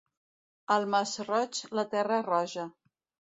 Al Masroig, la terra roja.